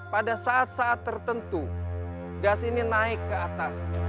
pada saat saat tertentu gas ini naik ke atas